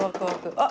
あっ！